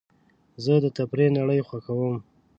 زه د تفریح نړۍ خوښوم.